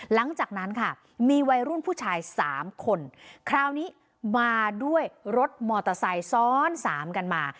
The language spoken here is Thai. หลังจากนั้นค่ะมีวัยรุ่นผู้ชายสามคนคราวนี้มาด้วยรถมอเตอร์ไซค์ซ้อนสามกันมา